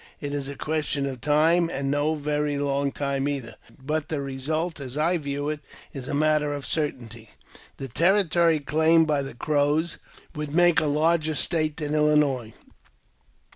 It is a question of time, and no very long time either ; but the result, as I view it, is a matter of certainty. The territory claimed by the Crows would make a larger state than Illinois.